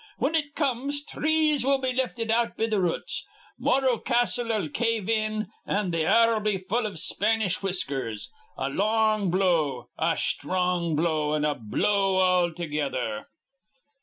Whin it comes, trees will be lifted out be th' roots. Morro Castle'll cave in, an' th' air'll be full iv Spanish whiskers. A long blow, a sthrong blow, an' a blow all together."